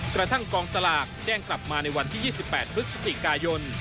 กระทั่งกองสลากแจ้งกลับมาในวันที่๒๘พฤศจิกายน